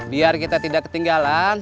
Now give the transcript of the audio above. biar kita tidak ketinggalan